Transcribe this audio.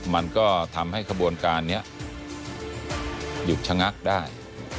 มันก็ทำให้ขบวนการนี้หยุดชะงักได้